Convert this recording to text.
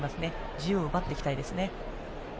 自由を奪っていきたいですね。